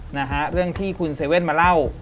นะฮะเรื่องที่คุณเซเว่นมาเล่า